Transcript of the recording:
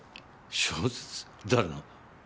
小説誰の？